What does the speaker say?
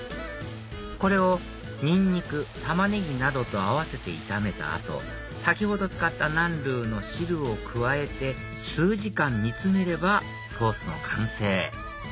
これをニンニクタマネギなどと合わせて炒めた後先ほど使った南乳の汁を加えて数時間煮つめればソースの完成